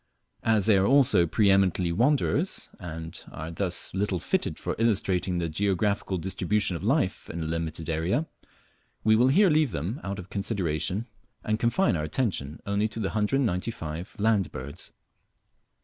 As they are also pre eminently wanderers, and are thus little fitted for illustrating the geographical distribution of life in a limited area, we will here leave them out of consideration and confine our attention only to the 195 land birds.